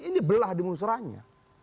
ini belah di musrahnya